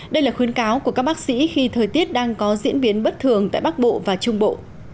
đây là khuyến cáo của các bác sĩ khi thời tiết đang có diễn biến bất thường tại bắc bộ và trung bộ